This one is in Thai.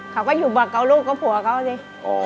เขาก็อยู่บักเกาลูกก็ผัวเขาสิ